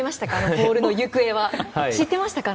ボールの行方、知ってましたか？